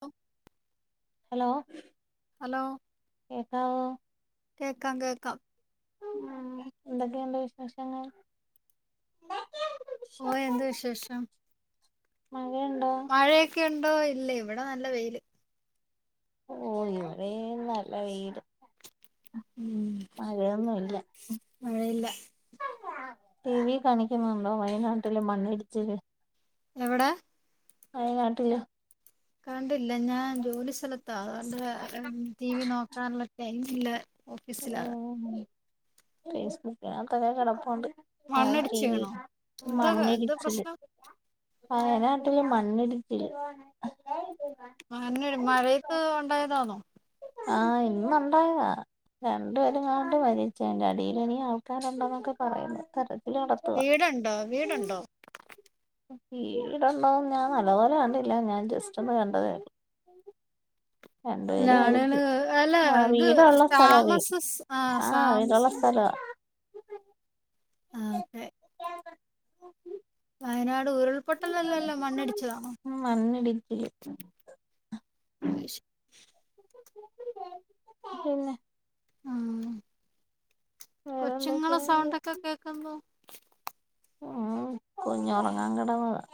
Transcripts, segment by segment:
ഓ hello കേക്കാവോ കേക്കാം കേക്കാം ഉം എന്തക്കെണ്ട് വിശേഷങ്ങൾ ഓ എന്ത് വിശേഷം മഴണ്ടോ മഴയൊക്കെ ണ്ടോ ഇല്ലേ ഇവിടെ നല്ല വെയില് ഓ ഇവ്ടെയും നല്ല വൈട് ഉം മഴൊന്നുല്ല മഴയില്ല ടി വി കാണിക്കുന്നുണ്ടോ വയനാട്ടില് മണ്ണിടിച്ചിൽ എവിടെ വയനാട്ടിലാ കണ്ടില്ല ഞാൻ ജോലി സ്ഥലത്ത അതുകൊണ്ട് ടി വി നോക്കാനുള്ള ടൈം ഇല്ല ഓഫീസിലാ [unintelligible] ഫേസ്ബുക്കിനകത് അങ്ങനെ കടപ്പുണ്ട് ആഹ ടി മണ്ണിടിച്ച് വിൽ വീണോ എന്താ എന്താ മണ്ണിട്ടിച്ചില് പ്രശ്നം വയനാട്ടില് മണ്ണിട്ടിച്ചില് അന്നെ മഴയത്ത് ഉണ്ടായതാന്നോ ആഹ് ഇന്ന് ഉണ്ടായതാ രണ്ടും പേരങ്ങണ്ട് മരിച്ച് അയിന്റെ അടിൽ ഇനി ആൾക്കാരുണ്ടെന്നൊക്കെ പറയിന്ന തരത്തില് വീടുണ്ടോ വീടുണ്ടോ വീട്ണ്ടോ ഞാൻ നല്ലപോലെ കണ്ടില്ല ഞാൻ ജസ്റ്റ് ഒന്ന് വേണ്ടതേള്ളു രണ്ടു അല്ല പേര് ആളുകള് മരിച്ചു അല്ല ആ ഇത് വീടുള്ള സ്ഥല താമസ ആ ആഹ വീടുള്ള താമസം സ്ഥല ആഹ ഒക്കെ വയനാട് ഉരുൾപൊട്ടലല്ലല്ലോ മണ്ണടിച്ചിലണോ മണ്ണിടിച്ചില് ആയി ശ് പിന്നെ ആ കൊച്ചുങ്ങളെ വേറെന്തൊക്കെയുണ്ട് സൗണ്ടൊക്കെ കേക്കുന്നു ഉം കുഞ്ഞ് ഒറങ്ങാൻ കിടന്നതാ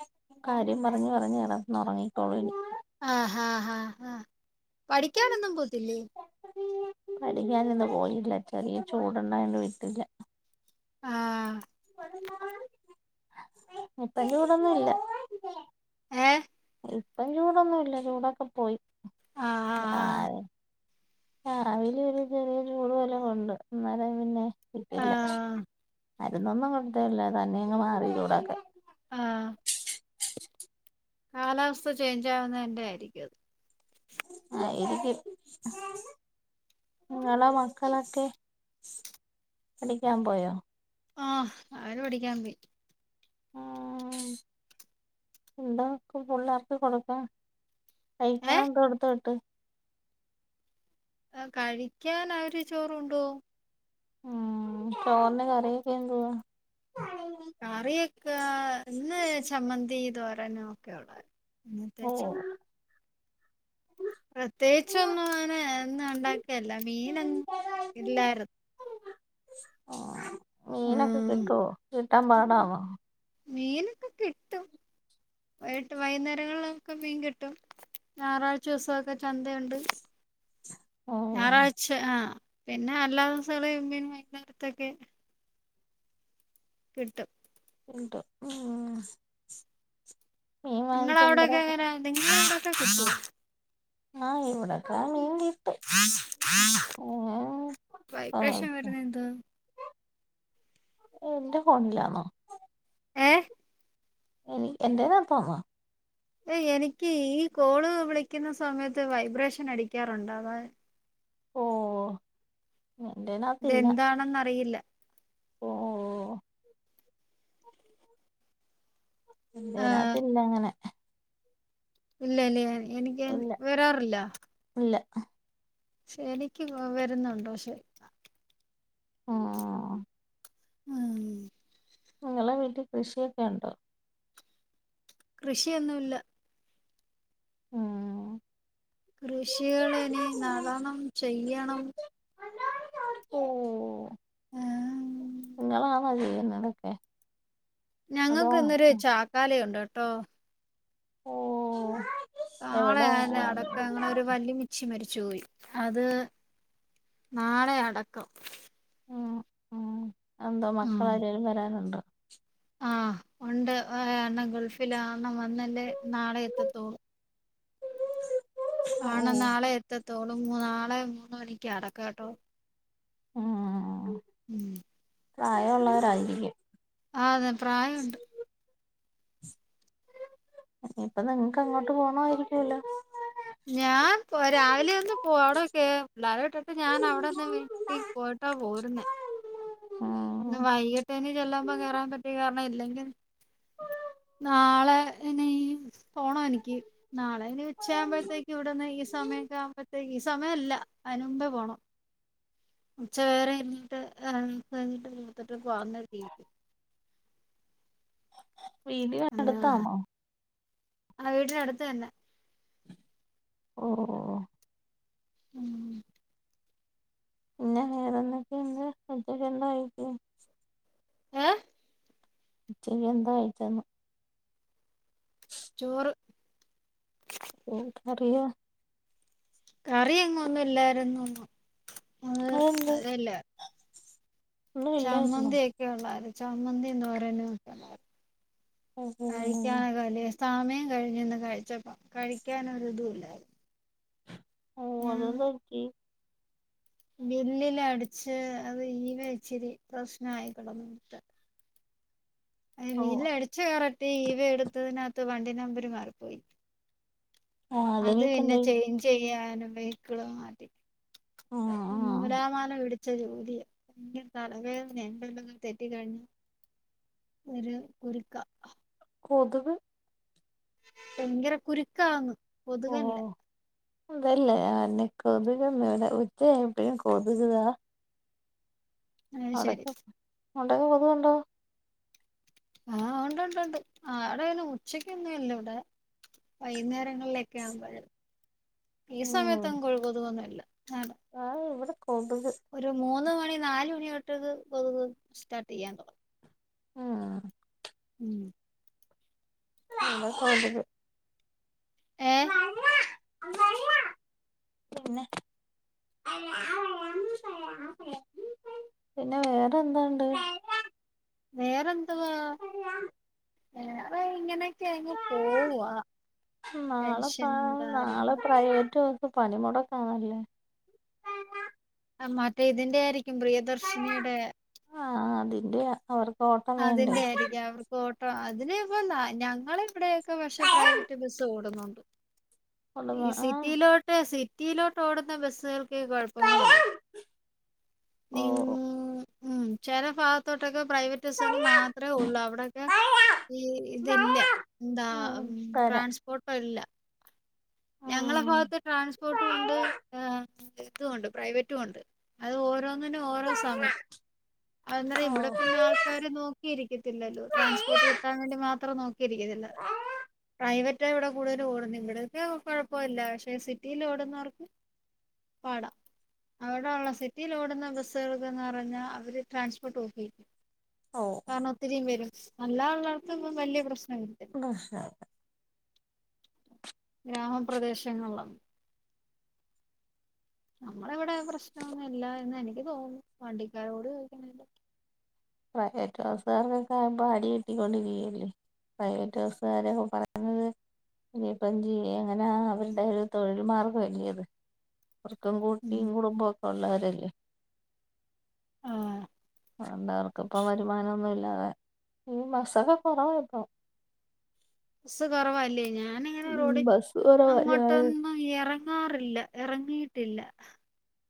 കാര്യം പറഞ്ഞ് പറഞ്ഞ് ഇറന്ന് ഉറങ്ങിക്കോളൂനി ആഹ ഹാ ഹാ ഹാ പഠിക്കാനൊന്നും പോവത്തില്ലേ പഠിക്കാന് ഇന്ന് പോയിട്ടില്ല ചെറിയ ചൂടുണ്ടായൊണ്ട് വിട്ടില്ല ആഹ ഇപ്പൊ ചൂടൊന്നുംല്ല ഏ ഇപ്പം ചൂടൊന്നുല്ല ചൂടൊക്കെ പോയി ആ ആഹ് ആഹ അവൻ ഒരു ചെറിയ ചൂട് [unintelligible] വല്ല കൊണ്ട് അന്നേര പിന്നെ ആഹ് വിട്ടില്ല ആഹ് മരുന്നൊന്നും കൊടുത്തില്ല തന്നെയങ്ങ് മാറി ചൂടൊക്കെ ആഹ കാലാവസ്ഥ ചേഞ്ച് ആവുന്നതിന്റെ ആയിരിക്കും അത് ആയിരിക്കും നിങ്ങളെ മക്കളൊക്കെ പഠിക്കാൻ പോയോ ആഹ അവര് പഠിക്കാൻ പോയി ഉം എന്താകും പുള്ളാർക്ക് കൊടുക്കാ കഴിക്കന് ഏഹ് എന്ത്‌ കൊടുത്ത് വിട്ട് ആഹ കഴിക്കാന് അവര് ചോറുകൊണ്ടോവും ഉം ചോറിന് കറിയൊക്കെ എന്തുവാ കറിയൊക്കെ ഇന്ന് ചമ്മന്തി തോരനും ഒക്കെയൊള്ളായിരുന്ന് ഇന്നത്തെ ഓ ചോറ് പ്രത്യേയിച്ചൊന്നും അങ്ങനെ എന്നും ഉണ്ടാക്കിയല്ല മീനൊ ഇല്ലായിര്ന് മീനൊക്കെ ഉം കിട്ടൊ കിട്ടാൻ പാടാന്നോ മീനൊക്കെ കിട്ടും വൈട്ട് വൈകുന്നേരങ്ങളിലൊക്കെ മീൻ കിട്ടും ഞായറാഴ്ചസൊക്കെ ചന്തയുണ്ട് ഉം ഞായറാഴ്ച ആഹ് പിന്നെ എല്ലാ ദിവസകങ്ങളിൽ മീൻ വൈകുന്നേരത്തൊക്കെ കിട്ടും കിട്ടോ ഉം മീൻ ഇങ്ങളെ വാങ്ങിച്ച് അവിടൊക്കെ എന്തര് എങ്ങനെ നിങ്ങളവിടൊക്കെ കിട്ടോ ആഹ് ഇവിടെക്കാ മീൻതി ആ വൈബ്രേഷൻ വരുന്ന എന്ത്വാ എന്റെ ഫോണിലാന്നോ ഏ എനി എന്റേന്നട് തോന്നോ ഏഹ് എനിക്ക് ഈ കോള് വിളിക്കുന്ന സമയത്ത് വൈബ്രേഷൻ അടിക്കാറുണ്ടാവാ ഓ എന്റേനകത്തില്ല ഇതെന്താണെന്ന്റിയില്ല ഓഹ് ഓഹ് ആ ഇതിനകത്ത് ഇല്ല അങ്ങനെ ഇല്ല ലേ എനിക്ക് ഇല്ല വരാറില്ല ഇല്ല ഷെ എനിക്ക് ഗ്ലോ വരുന്നുണ്ടോ ഷെ ആഹ് ആഹ് ഇങ്ങളെ വീട്ടിൽ കൃഷിയൊക്കെ ഉണ്ടോ കൃഷിയൊന്നുല്ല ഉം കൃഷികള് ഇനി നടണം ചെയ്യണം ഓഹ് ആ നിങ്ങളാണാ ചെയ്യുന്നതൊക്കെ അതോ ഞങ്ങൾക്ക് ഇന്നൊരു ചാക്കാലയുണ്ടട്ടോ ഓഹ് കാളയായന്റെ അടക്ക അങ്ങനെ ഒരു വല്ലിമി ച്ചി മരിച്ചുപോയി അത് നാളെയാ അടക്കം അന്താ ഉം മക്കള് ആരേലും വരാനുണ്ടോ ആഹ് ഉണ്ട് ഒരണ്ണം ഗൾഫിലാ അണ്ണം വന്നല്ലേ നാളെ എത്തത്തോളൂ ഓ ആണ് നാളെ എത്തത്തോളൂ നാളെ മൂന്ന് മണിക്ക അടക്കാട്ടോ ഉം പ്രായഉള്ളവരായിരിക്യും ആഹ് അതെ പ്രായ ഉണ്ട് ഇപ്പ നിങ്ങക്ക് അങ്ങോട്ട് പോണായിരിക്കല്ലോ ഞാൻ പോ രാവിലെ വന്ന് പോ അവിടൊക്കെ പിള്ളേർട്ടിട്ട് ഞാൻ അവിടൊന്ന് വി ട്ടിക്ക് പോയിട്ടാ പോരുന്നെ ഇന്ന് വൈകിട്ടേന് ചെല്ലുമ്പ കേറാൻ പറ്റി കാരണം ഇല്ലെങ്കിൻ നാളെ ഇനി പോണം എനിക്ക് നാളെ ഇനി ഉച്ചയായുമ്പോഴത്തേക്ക് ഇവിടന്ന് ഈ സമയൊക്കെ ആകുമ്പത്തെക്ക് ഈ സമയില്ല അയിനുമ്പേ പോണം ഉച്ചവരെ ഇന്നിട്ട് കഴിഞ്ഞിട്ട് കൊളുത്തിട്ട് പോവ്ന്നരിതി വീടിയൊ അടുത്താന്നോ ആഹ് വീട്ടിനടുത്ത് തന്നെ ഓഹ് ഓഹ് മ് പിന്നെ വേറെന്തെക്കെ ഇണ്ട്? ഉച്ചക്ക് എന്താ കഴിച്ചേ? ഉം ഏഹ് [unintelligible] ഷ് ചോറ് എന്ത് കറിയ? കറി എങ്ങും ഒന്നു ഇല്ലായിരുന്നു ഇന്ന് അഹ് എന്ത് ചമ്മന്തി ഒക്കെ ഇള്ളാര്ന്നു. ചമ്മന്തി തോരനും ഒക്കെ ഉള്ളായിരുന്നു ഓ കഴിക്കാനൊക്കെ അല്ലേ സമയം കഴിഞ്ഞ് ഇന്ന് കഴിച്ചപ്പ, കഴിക്കാൻ ഒര് ഇതുല്ലായിര്ന്നു. അതെന്തു പറ്റി ബില്ലില് അടിച്ച് അത് ഈവെ ഇച്ചിരി പ്രശ്നായി [unintelligible] അഹ് ഓ ബില്ല് അടിച്ച് കറക്റ്റ് ഈവെ എടുത്തതിനകത്ത് വണ്ടി നമ്പര് മാറിപ്പോയി അത് അതിനിപ്പോ പിന്നെ എന്തായി ചെയ്ഞ്ച് ചെയ്യാനും വെഹിക്കിള് മാറ്റി ആ ആ നൂലാമാല പിടി ച്ച ജോലിയ ഇൻക്ക് തലവേദന എന്തെങ്കിലു ഒന്ന് തെറ്റി കഴിഞ്ഞ് ഒരു കുര്ക്ക കൊതുക് ഭയങ്കര കുരുക്കാന്ന് കൊതുകല്ല അതല്ല ഞാന് കൊത്കെന്ന് ഇവിടെ ഉച്ച ആയപ്പോഴും കൊതുക് ഇതാ അത് ശരി അവിടെക്കെ അവിടെക്കെ കൊതുവുണ്ടോ ആഹ് ഉണ്ട് ഉണ്ട് ഉണ്ട് അവിടെന്നു ഉച്ചക്കൊന്നു ഇല്ല ഇവിടെ വൈനേരങ്ങളികാവുമ്പോഴു ഈ സമയത്തൊന്നും കൊഴ് കൊതുകൊന്നില്ല ദാണ്ടേ ആഹ് ഇവിടെ കൊതുക് ഒര് മൂന്ന് മണി നാല് മണി തൊട്ട് ഇത് കൊതുക് സ്റ്റാർട്ട് യ്യാൻ തൊടങ്ങും ആഹ് ഉം നല്ലോം കൊത്ക് ഏഹ് പിന്നെ പിന്നെ വേറെന്ത്‌ണ്ട് വേറെന്ത്‌വാ വേറെ ഇങ്ങനെയൊക്കെ അങ്ങ് പോവുവ നാളെ പാ നാളെ പ്രൈവറ്റ് ബസ്സ്‌ പണി മുടക്കാണല്ലോ ആഹ് മറ്റേ ഇതിന്റെ ആയിരിക്കും പ്രിയദർശിനിടെ അതിന്റെയ അവർക്ക് ഒ അതിന്റെടി ഇനി അവർക്ക് ഓട്ടോ അതിന് ഇപ്പന്താ ഞങ്ങള ഇവിടെയെക്കെ പക്ഷെ പ്രൈവറ്റ് ബസ് ഓടുന്നുണ്ട്. [inaudible] ഈ ആ സിറ്റിയിലോട്ട് സിറ്റിയിലോട്ട് ഓടുന്ന ബെസ്സ്കൾ ക്കെ കൊഴപ്പങ്ങളൊള്ളൂ ഓ നിങ് ഉം ചെല ഭാഗത്തോട്ടൊക്കെ പ്രൈവറ്റ് ബസ്സ്ള് മാത്രേ ഒള്ളൂ അവിടെക്കെ ഈ ഇതില്ല എന്താ ഉം, തരാം ട്രാൻസ്പോർട്ട് ഇല്ല ഞങ്ങള ഉം. ഭാഗത്ത് ട്രാൻസ്പോർട്ടും ഉണ്ട് ഏഹ് ഇതുണ്ട് പ്രൈവറ്റു ഉണ്ട് അത് ഓരോന്നിനു ഓരോ സമയം അന്നേര ഓ ഇവിടെ പിന്നെ ആൾക്കാര് നോക്കിയിരിക്കത്തില്ലല്ലോ ട്രാൻസ്പോർട്ട് കിട്ടാൻ വേണ്ടി മാ ത്രം നോക്കിയിരിക്കുന്നല്ല പ്രൈവറ്റ് ഇവിടെ കൂടുതലൽ ഓടുന്നെ ഇവിടൊക്കെ കുഴപ്പമില്ല പക്ഷെ സിറ്റില് ഓടുന്നവർക്ക് പാടാ അവിടെ ഉള്ള സിറ്റിൽ ഓടുന്ന ബസ്സുകളക്കന്ന് പറഞ്ഞാൽ അവര് ട്രാൻസ്പോർട്ട് ഓഫി ഓ കാരണം ഒത്തിരിയും വരും അല്ലാ ഉള്ളർക്കു വലിയ പ്രശ്നം ഇല്ലാ പ്രശ്നല്ല ഗ്രാമപ്രദേശങ്ങള് നമ്മള ഇവിടെ പ്രശ്നമൊന്നുമില്ല എന്ന് എനിക്ക് തോന്നും വണ്ടിക്കാരോട് ചോദിക്കണം പ്രൈവറ്റു ബസുകാർക്കൊക്കെ ഇപ്പോ അടി കിട്ടിക്കൊണ്ടിരിക്കയല്ലേ പ്രൈവറ്റു ബസുകാരൊക്കെ പറയുന്നത് ഇനീപ്പം എന്തു ചെയ്യാന എങ്ങനെ അവരുടെ ഒരു തൊഴിൽ മാർഗ്ഗം അല്ലിയോ അത് അവർക്കും ഉം കുട്ടിയും കുടുംബം ഒക്കെ ഉള്ളോരല്ലേ ആഹ് വേണ്ടവർക്ക് ഇപ്പ വരുമാനമൊന്നും ഇല്ലാതെ ഈ ബസൊക്കെ കുറവായിരുന്നു ബസ്സ് കുറവല്ലേ ഞാനിങ്ങനെ ഉം റോഡിൽ ബസ് കുറവാ ഞാൻ അങ്ങോട്ടന്ന് ആഹ് എറങ്ങാറില്ല എറങ്ങിയിട്ടില്ല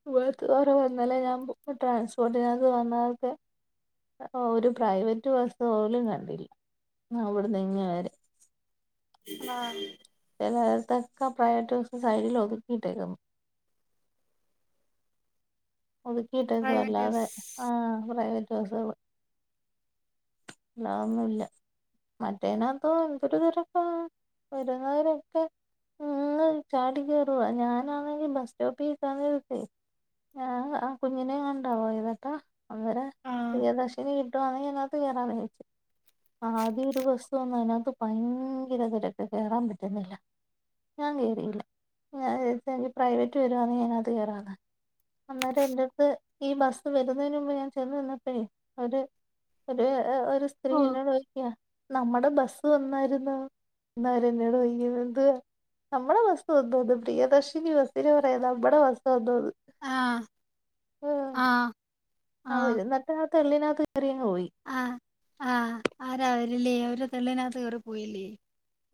ഇവിഴത്തെ വെരെ വന്നല്ലേ ഞാൻ ട്രാൻസ്പോർട്ടിനകത്ത് വന്നതൊക്കെ ഒരു പ്രൈവറ്റ് ബസ് പോലും കണ്ടില്ല അവിടെന്ന് ഇങ്ങ വരെ ആഹ് ചിലത്തക്കെ പ്രൈവറ്റ് ബസ്സൊക്കെ സൈഡിൽ ഒതുക്കിയിട്ടേക്ക ഒതുക്കിയിട്ടേക്ക പ്രൈവറ്റ് അല്ലാതെ ബസ് ആഹ് പ്രൈവറ്റ് ബസ്സള് അല്ലാതെ ഒന്നും ഇല്ല മറ്റേനകത്ത എന്തൊരു തിരക്ക വരുന്നവരൊക്കെ ഉം ചാടിക്കേറുവ ഞാനാണെങ്കിൽ ബസ് സ്റ്റോപ്പിൽേക്കാന്നരട്ടേ ആഹ് കുഞ്ഞിനെയ കൊണ്ടാ പോയതേട്ടോ അവര് ആഹ് പ്രിയദർശിനി കിട്ടു ആണെങ്കിൽ അതിനകത്ത് കേരമാണ് വിചാരിച്ചു ആദ്യ ഒരു ബസ് വന്നു അതിനകത്ത് ഭയങ്കര തിരക്ക് കേറാൻ പറ്റുന്നില്ല ഞാൻ കയറിയില്ല ഞാൻ എനിക്ക് പ്രൈവറ്റ് വരുവാണെന്ന് ഞാൻ അത് കയറാന്ന് അന്നേരം എന്റെ അടുത്ത് ഈ ബസ്സ് വരുന്നതിന് മുമ്പ് ഞാൻ ചെന്ന നിന്നപ്പയെ അവര് ഒരു ഒരു സ്ത്രീ ഓഹ് എന്നോട് ചോ നമ്മുടെ ബസ് വന്നായിരുന്നോ എന്ന് അവര് എന്നോട് ചോദിക്കുന്നത് എന്തുവാ നമ്മുടെ ബസ് വന്നോന്ന് പ്രിയദർശിനി വസ് പറയാ നമ്മടെ ബസ്സ്‌ വന്നോത് ആഹ് ആഹ് ആഹ് ഒരുനാത്ത് തെള്ളിനകത്ത് കറിയങ് പോയി ആഹ് ആഹ് ആരാവരില്ലേ അവര് തെള്ളിനകത്ത് കേറി പോയില്ലേ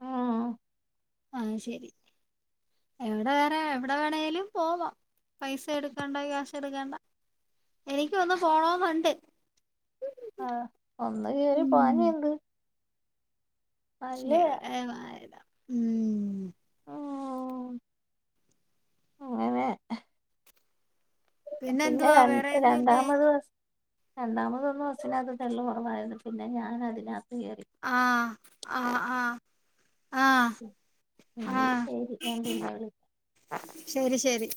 ഉം ആഹ് ശരി എവിടെ വേറെ എവിടെ വേണേലും പോവാം പൈസ എടുക്കണ്ട ക്യാഷ് എടുക്കണ്ട എനിക്ക് ഒന്ന് പോണന്നുണ്ട് ആഹ് ഒന്ന് കറി പോവഞ്ഞേ ഉം എന്ത് [unintelligible] ഉം ഉം അങ്ങനെ പിന്നെ പിന്നെന്തുവാ രണ്ട് വേറെയൊന്നുമില്ലേ രണ്ടാമത് വ രണ്ടാമത് വന്ന ബസ്സിനകത്ത് തെള്ളു കുറവായിരുന്നു പിന്നെ ഞാൻ അതിനകത്ത് കയറി ആഹ് ആഹ് ആഹ് ആ ശരി ഞാ പിന്നെ വിളിക്ക ശരി ശരി